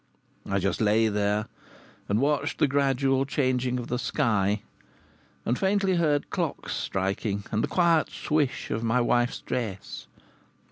I just lay there and watched the gradual changing of the sky, and, faintly, heard clocks striking and the quiet swish of my wife's dress.